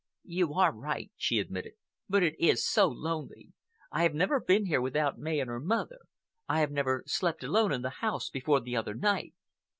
"You are right," she admitted, "but it is so lonely. I have never been here without May and her mother. I have never slept alone in the house before the other night.